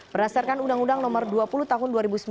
berdasarkan undang undang nomor dua puluh tahun dua ribu sembilan